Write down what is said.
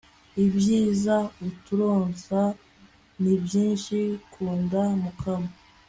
ivyiza uturonsa ni vyinshi, kunda mukama